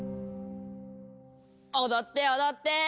おどっておどって！